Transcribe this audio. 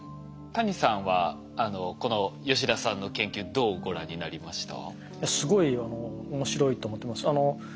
谷さんはこの吉田さんの研究どうご覧になりました？